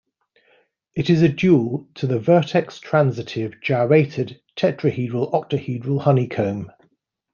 It is a dual to the vertex-transitive gyrated tetrahedral-octahedral honeycomb.